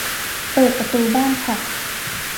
เปิดประตูบ้านค่ะ